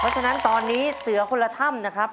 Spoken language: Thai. เพราะฉะนั้นตอนนี้เสือคนละถ้ำนะครับ